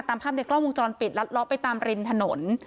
ตามภาพในกล้องวงจรปิดลัดเลาะไปตามริมถนน